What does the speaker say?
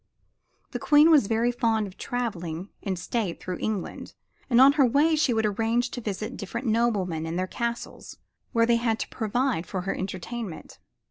The Queen was very fond of traveling in state through England, and on her way would arrange to visit different noblemen in their castles, where they had to provide for her entertainment.